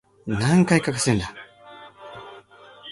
何回かかせるんだ